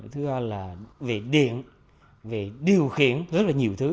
thứ ba là về điện về điều khiển rất là nhiều thứ